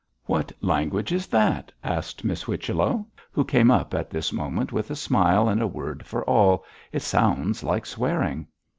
'What language is that?' asked Miss Whichello, who came up at this moment with a smile and a word for all; 'it sounds like swearing.'